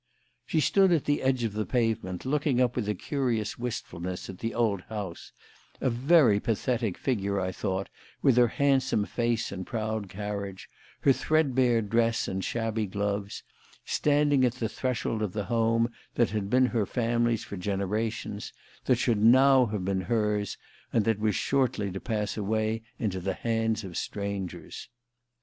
She stood at the edge of the pavement looking up with a curious wistfulness at the old house; a very pathetic figure, I thought, with her handsome face and proud carriage, her threadbare dress and shabby gloves, standing at the threshold of the home that had been her family's for generations, that should now have been hers, and that was shortly to pass away into the hands of strangers.